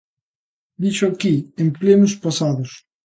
Díxoo aquí, en plenos pasados.